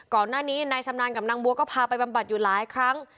ก่อนหน้านี้นายชำนาญกับนางบัวก็พาไปบำบัดอยู่หลายครั้ง